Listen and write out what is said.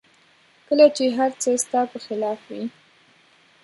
کله چې هر څه ستا په خلاف وي